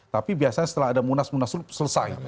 tapi biasanya setelah ada munas munaslup selesai